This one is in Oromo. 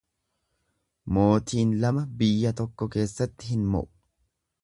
Mootiin lama biyya tokko keessatti hin mo'u.